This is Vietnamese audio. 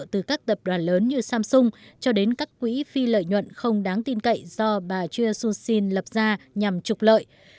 từ các tập đoàn lớn như samsung cho đến các quỹ phi lợi nhuận không đáng tin cậy do bà choi soon sin lập ra nhằm trục lợi